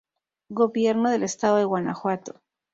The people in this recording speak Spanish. Gobierno del Estado de Guanajuato.